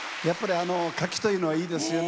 かきというのはいいですよね。